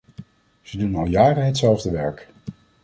Ze doen al jaren hetzelfde werk.